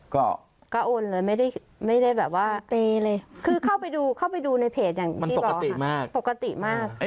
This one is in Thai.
๗๔๕๐ค่ะก็โอนเลยไม่ได้แบบว่าคือเข้าไปดูในเพจอย่างที่บอกค่ะปกติมาก